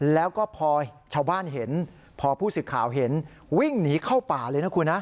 แล้วก็พอชาวบ้านเห็นพอผู้สื่อข่าวเห็นวิ่งหนีเข้าป่าเลยนะคุณนะ